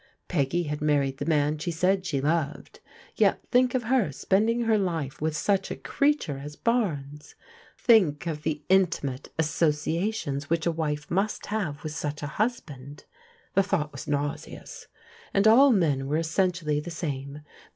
P^:gy bad married the man she said she loved — ^yet think of her ^lending her life with such a creature as Barnes ! Think of the intimate assodations which a wife must have with such a hu^iand! The thought was nauseous ! And all men were essentially the same.